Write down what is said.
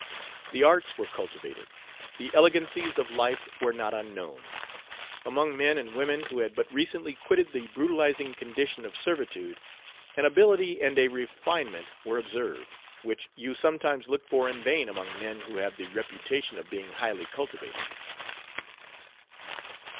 The arts were cultivated. The elegancies of life were not unknown. Among men and women who had but recently quitted the brutalizing condition of servitude, an ability and a refinement were observed, which you sometimes look for in vain among men who have the reputation of being highly cultivated.